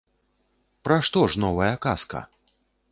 Пра што ж новая казка?